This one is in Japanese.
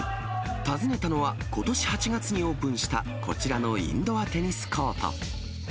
訪ねたのは、ことし８月にオープンした、こちらのインドアテニスコート。